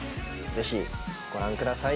是非ご覧ください。